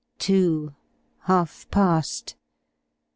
Two half past